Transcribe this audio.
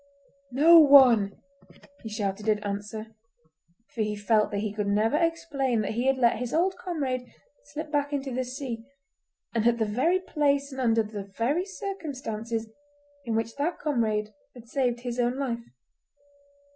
"No one," he shouted in answer, for he felt that he could never explain that he had let his old comrade slip back into the sea, and at the very place and under the very circumstances in which that comrade had saved his own life.